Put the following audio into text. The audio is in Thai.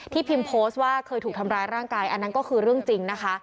พิมพ์โพสต์ว่าเคยถูกทำร้ายร่างกายอันนั้นก็คือเรื่องจริงนะคะ